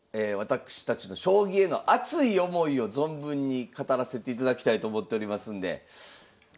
私たちの将棋への熱い思いを存分に語らせていただきたいと思っておりますんで。